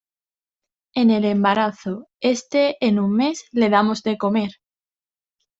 en el embarazo. este, en un mes , le damos de comer .